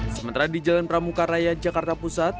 sementara di jalan pramuka raya jakarta pusat